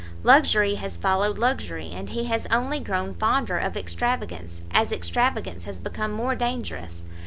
Luxury has followed luxury, and he has only grown fonder of extravagance, as extravagance has become more dangerous.